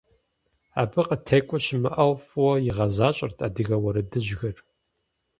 Абы къытекӏуэ щымыӏэу фӏыуэ игъэзащӏэрт адыгэ уэрэдыжьхэр.